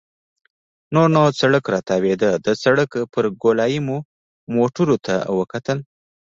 نور نو سړک راتاوېده، د سړک پر ګولایې مو موټرو ته وکتل.